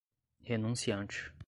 renunciante